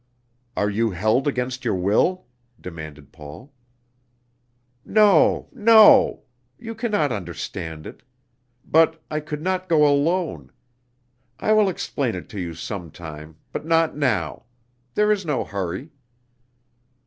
"Are you held against your will?" demanded Paul. "No, no! You can not understand it. But I could not go alone. I will explain it to you some time, but not now. There is no hurry."